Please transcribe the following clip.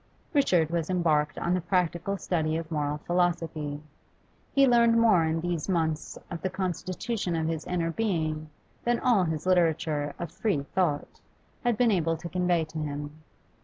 Richard was embarked on the practical study of moral philosophy; he learned more in these months of the constitution of his inner being than all his literature of 'free thought' had been able to convey to him.